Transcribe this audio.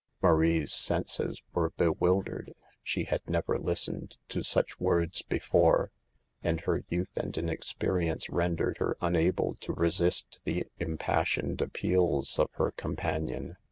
Marie's senses were bewildered. She had never listened to such words before, and her youth and inexperience rendered her unable to resist the impassioned appeals of her companion.